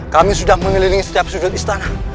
kami sudah mengelilingi setiap sudut istana